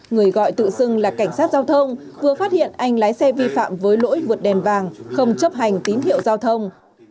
người gọi tự xưng là cảnh sát giao thông vừa phát hiện anh lái xe vi phạm với lỗi vượt đèn vàng không chấp hành tín hiệu giao thông